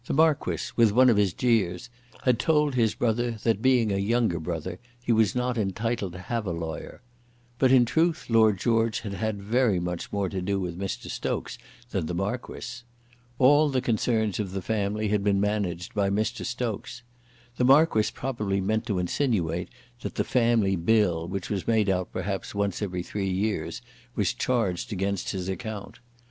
The Marquis, with one of his jeers, had told his brother that, being a younger brother, he was not entitled to have a lawyer. But in truth Lord George had had very much more to do with Mr. Stokes than the Marquis. All the concerns of the family had been managed by Mr. Stokes. The Marquis probably meant to insinuate that the family bill, which was made out perhaps once every three years, was charged against his account.